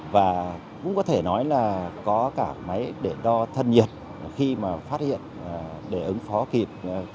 và cũng có thể nói là có cả máy để đo thân nhiệt khi mà phát hiện để ứng phó kịp